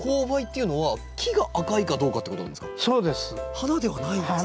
花ではないんですか？